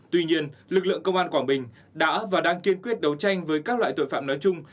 tuy nhiên lực lượng công an quảng bình đã và đang kiên quyết đấu tranh với các loại tội phạm nói chung